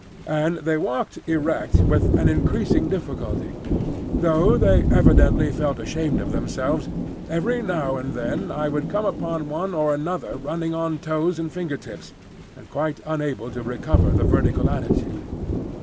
And they walked erect with an increasing difficulty. Though they evidently felt ashamed of themselves, every now and then I would come upon one or another running on toes and finger tips, and quite unable to recover the vertical attitude.